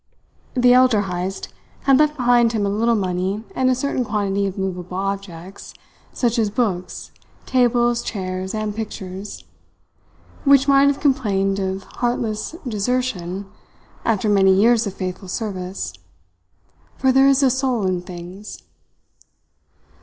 The elder Heyst had left behind him a little money and a certain quantity of movable objects, such as books, tables, chairs, and pictures, which might have complained of heartless desertion after many years of faithful service; for there is a soul in things.